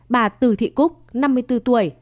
bà từ thị cúc năm mươi bốn tuổi